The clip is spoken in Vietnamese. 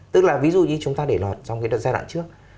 tức là ví dụ như chúng ta để lo trong cái giai đoạn trước